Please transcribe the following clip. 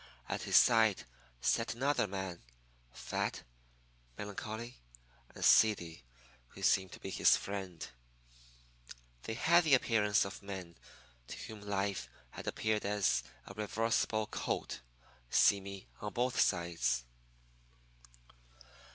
At his side sat another man, fat, melancholy, and seedy, who seemed to be his friend. They had the appearance of men to whom life had appeared as a reversible coat seamy on both sides.